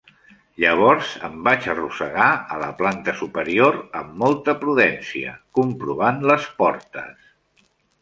Llavors em vaig arrossegar a la planta superior amb molta prudència, comprovant les portes.